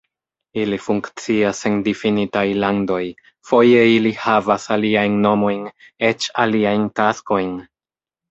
Ili funkcias en difinitaj landoj, foje ili havas aliajn nomojn, eĉ aliajn taskojn.